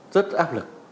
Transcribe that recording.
rất áp lực